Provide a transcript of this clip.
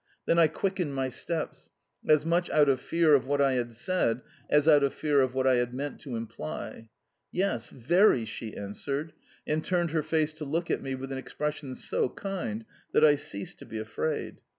Then I quickened my steps as much out of fear of what I had said as out of fear of what I had meant to imply. "Yes, VERY!" she answered, and turned her face to look at me with an expression so kind that I ceased to be afraid.